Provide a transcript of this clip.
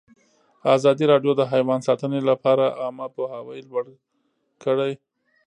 ازادي راډیو د حیوان ساتنه لپاره عامه پوهاوي لوړ کړی.